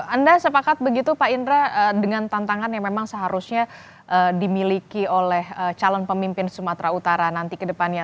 anda sepakat begitu pak indra dengan tantangan yang memang seharusnya dimiliki oleh calon pemimpin sumatera utara nanti ke depannya